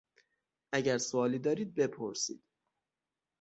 اگر سئوالی دارید بپرسید!